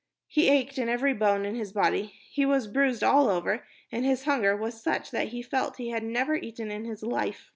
He ached in every bone in his body, he was bruised all over, and his hunger was such that he felt he had never eaten in his life.